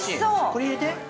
◆これ入れて。